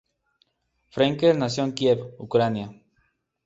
Frenkel nació en Kiev, Ucrania.